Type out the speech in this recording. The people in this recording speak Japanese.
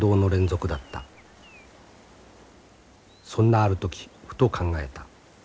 そんなある時ふと考えた。